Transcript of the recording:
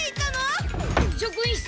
職員室！